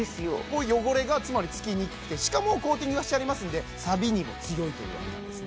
こういう汚れがつまりつきにくくてしかもコーティングがしてありますんでさびにも強いというわけなんです